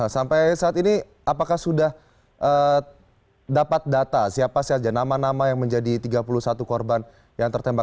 sampai saat ini apakah sudah dapat data siapa saja nama nama yang menjadi tiga puluh satu korban yang tertembak